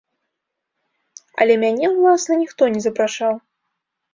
Але мяне, уласна, ніхто не запрашаў.